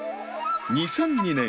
２００２年